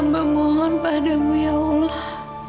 tolong ya allah